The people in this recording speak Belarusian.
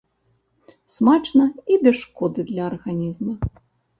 Смачна і без шкоды для арганізма.